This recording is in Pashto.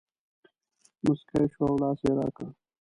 مسکی شو او لاس یې راکړ.